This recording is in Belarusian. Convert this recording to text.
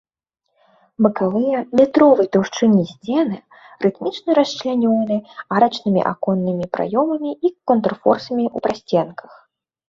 Бакавыя метровай таўшчыні сцены рытмічна расчлянёны арачнымі аконнымі праёмамі і контрфорсамі ў прасценках.